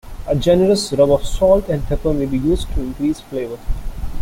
A generous rub of salt and pepper may be used to increase flavor.